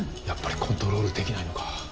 やっぱりコントロールできないのか。